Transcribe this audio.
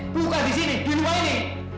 bukan di sini di rumah ini